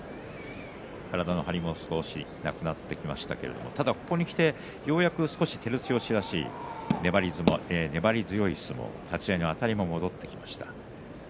体の張りも少しなくなってきましたけれどここにきてようやく少し照強らしい粘り強い相撲立ち合いのあたりも戻ってきました。